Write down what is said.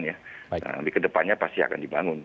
nanti ke depannya pasti akan dibangun